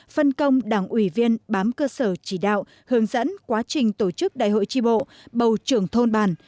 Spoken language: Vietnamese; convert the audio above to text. phân công đảng ủy viên bám cơ sở chỉ đạo hướng dẫn quá trình tổ chức đại hội tri bộ bầu trưởng thôn bàn